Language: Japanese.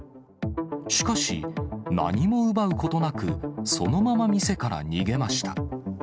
しかし、何も奪うことなく、そのまま店から逃げました。